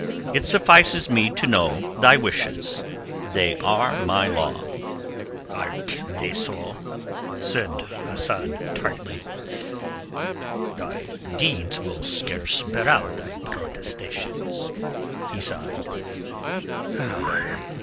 It suffices me to know thy wishes; they are my law." "Are they so?" said Asad tartly. "Thy deeds will scarce bear out thy protestations." He sighed.